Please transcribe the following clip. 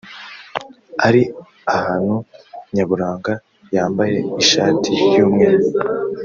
ari ahantu nyaburanga yambaye ishati y’umweru